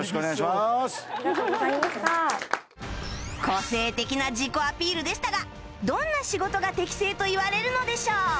個性的な自己アピールでしたがどんな仕事が適性と言われるのでしょう？